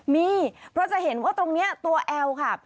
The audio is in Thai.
มีเพราะจะเห็นว่าตรงนี้ตัวแอลค่ะ